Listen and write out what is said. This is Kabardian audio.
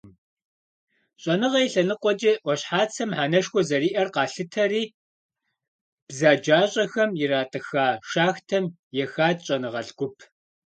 ЩӀэныгъэ и лъэныкъуэкӀэ Ӏуащхьацэ мыхьэнэшхуэ зэриӀэр къалъытэри, бзаджащӀэхэм иратӀыха шахтэм ехат щӀэныгъэлӀ гуп.